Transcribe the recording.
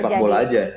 cukup di sepak bola aja